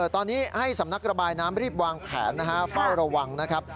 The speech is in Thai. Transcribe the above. ตอนนี้ให้สำนักระบายน้ำรีบวางแผนนะฮะเฝ้าระวังนะครับ